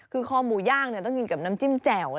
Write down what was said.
คือคอหมูย่างต้องกินกับน้ำจิ้มแจ่ว